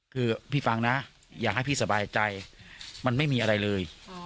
คือพี่ฟังนะอยากให้พี่สบายใจมันไม่มีอะไรเลย